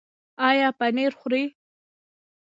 ایا پنیر خورئ؟